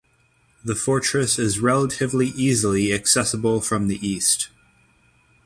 The fortress is relatively easily accessible from the east.